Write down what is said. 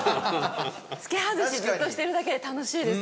付け外しずっとしてるだけで楽しいです。